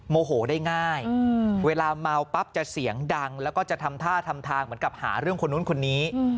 โมโหได้ง่ายเวลาเมาปั๊บจะเสียงดังแล้วก็จะทำท่าทำทางเหมือนกับหาเรื่องคนนู้นคนนี้